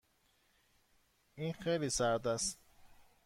این خیلی سرد است.